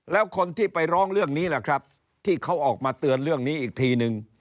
แล้วคนที่ไปร้องเรื่องนี้แหละครับที่เขาออกมาเตือนเรื่องนี้อีกทีนึง